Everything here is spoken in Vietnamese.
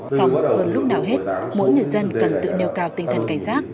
xong hơn lúc nào hết mỗi người dân cần tự nêu cao tinh thần cảnh giác